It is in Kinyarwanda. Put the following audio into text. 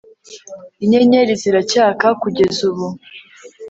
Inyenyeri ziracyaka kugeza ubu